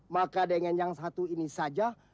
maka dengan yang satu ini saja